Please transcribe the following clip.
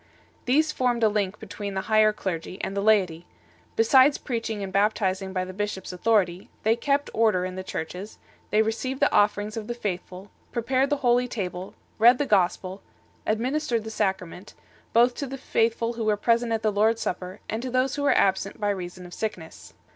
These formed a link between the higher clergy and the laity; besides preaching and baptizing by the bishop s authority, they kept order in the churches, they received the offerings of the faithful, prepared the Holy Table, read the Gospel, administered the Sacrament, both to the faithful who were present at the Lord s Supper and to those who were absent by reason of sickness 2